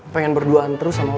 pengen berduaan terus sama